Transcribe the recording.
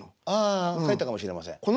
あ書いたかもしれません。